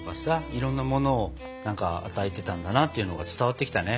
いろんなものを与えてたんだなっていうのが伝わってきたね。